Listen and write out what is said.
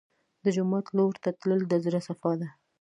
د جومات لور ته تلل د زړه صفا ده.